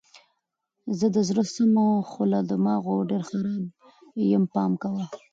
زه د زړه سم خو له دماغو ډېر خراب یم پام کوه!